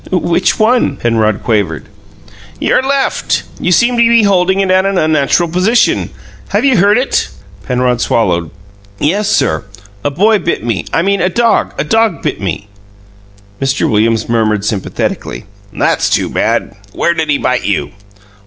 "Which one?" Penrod quavered. "Your left. You seem to be holding it at an unnatural position. Have you hurt it?" Penrod swallowed. "Yes, sir. A boy bit me I mean a dog a dog bit me." Mr. Williams murmured sympathetically: "That's too bad! Where did he bite you?"